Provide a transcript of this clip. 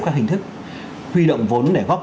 các hình thức huy động vốn để góp